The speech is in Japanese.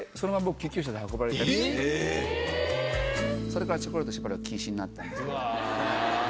それからチョコレートしばらく禁止になったんですけど。